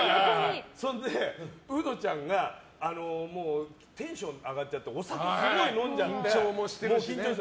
そんで、ウドちゃんがテンション上がっちゃってお酒すごい飲んじゃって緊張もしてるし。